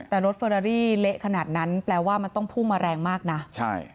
แต่รถเฟอรารี่เละขนาดนั้นแปลว่ามันต้องพุ่งมาแรงมากนะใช่